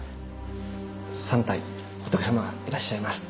３体仏さまがいらっしゃいます。